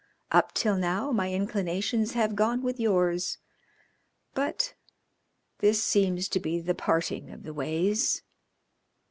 Up till now my inclinations have gone with yours, but this seems to be the parting of the ways.